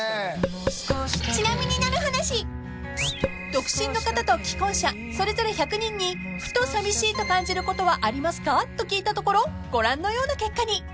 ［独身の方と既婚者それぞれ１００人に「ふと寂しいと感じることはありますか？」と聞いたところご覧のような結果に］